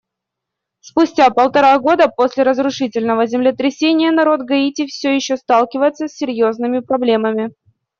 Спустя полтора года после разрушительного землетрясения народ Гаити все еще сталкивается с серьезными проблемами.